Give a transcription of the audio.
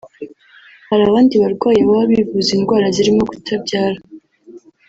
Hari abandi barwayi baba bivuza indwara zirimo kutabyara